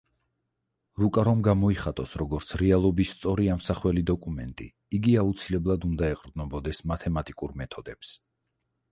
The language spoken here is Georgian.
რუკა რომ გამოიხატოს როგორც რეალობის სწორი ამსახველი დოკუმენტი, იგი აუცილებლად უნდა ეყრდნობოდეს მათემატიკურ მეთოდებს.